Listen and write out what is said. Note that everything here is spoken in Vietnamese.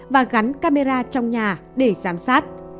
và gắn camera trong nhà để giám sát